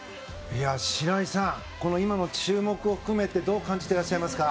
白井さんこの今の注目を含めてどう感じていらっしゃいますか。